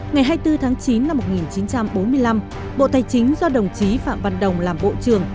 ngày hai mươi bốn tháng chín năm một nghìn chín trăm bốn mươi năm bộ tài chính do đồng chí phạm văn đồng làm bộ trưởng